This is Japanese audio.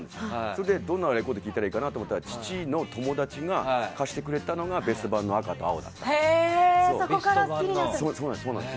それでどんなレコード聞いたらいいかなと思って父の友達が貸してくれたのがベスト盤の赤と青。